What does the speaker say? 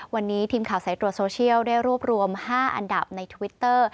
วันนี้ทีมข่าวสายตรวจโซเชียลได้รวบรวม๕อันดับในทวิตเตอร์